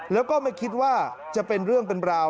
แล้วก็ไม่คิดว่าจะเป็นเรื่องเป็นราว